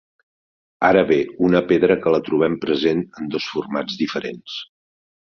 Ara bé una pedra que la trobem present en dos formats diferents.